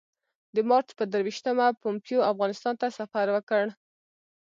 د مارچ پر درویشتمه پومپیو افغانستان ته سفر وکړ.